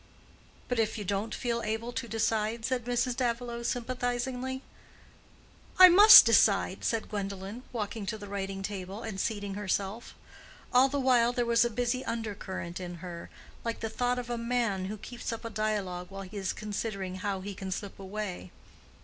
"But if you don't feel able to decide?" said Mrs. Davilow, sympathizingly. "I must decide," said Gwendolen, walking to the writing table and seating herself. All the while there was a busy under current in her, like the thought of a man who keeps up a dialogue while he is considering how he can slip away.